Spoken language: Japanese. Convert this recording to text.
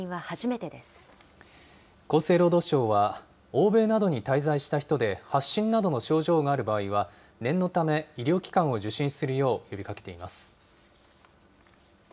厚生労働省は、欧米などに滞在した人で発疹などの症状がある場合は、念のため医療機関を受診するよう呼びかけています。